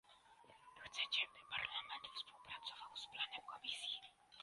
Chcecie, by Parlament współpracował z planem Komisji